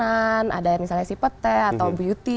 ada misalnya si pete atau beauty